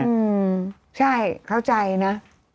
อืมใช่เข้าใจนะ